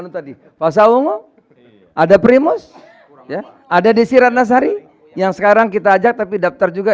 tadi pasang ada primus ada desirat nasari yang sekarang kita ajak tapi daftar juga